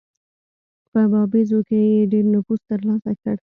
په باییزو کې یې ډېر نفوذ ترلاسه کړ.